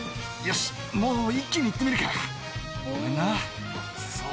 よしもう一気に行ってみるかごめんな。